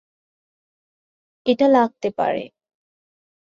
এটা লাগতে পারে?